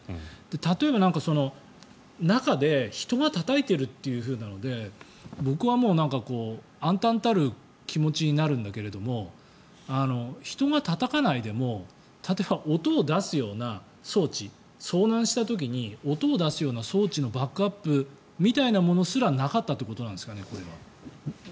例えば、中で人がたたいているというので僕はもう、暗たんたる気持ちになるんだけれども人がたたかないでも例えば、音を出すような装置遭難した時に音を出すような装置のバックアップみたいなものすらなかったということなんですかねこれは。